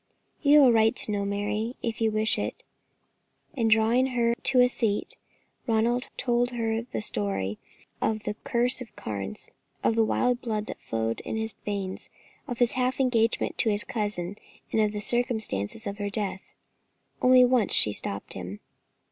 "You have a right to know, Mary, if you wish it;" and drawing her to a seat, Ronald told her the story of the Curse of the Carnes, of the wild blood that flowed in his veins, of his half engagement to his cousin, and of the circumstances of her death. Only once she stopped him.